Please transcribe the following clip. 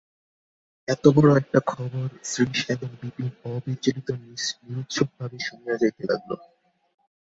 এত বড়ো একটা খবর শ্রীশ এবং বিপিন অবিচলিত নিরুৎসুক ভাবে শুনিয়া যাইতে লাগিল।